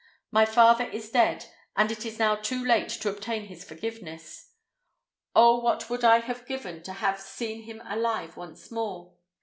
My father is dead, and it is now too late to obtain his forgiveness! Oh, what would I have given to have seen him alive once more!